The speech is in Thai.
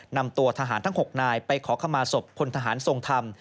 นำตัวทหารทั้ง๖นายไปขอขมาศพพลทหารทรงธรรม